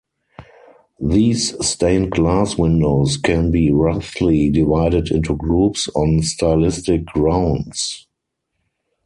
These stained glass windows can be roughly divided into groups on stylistic grounds.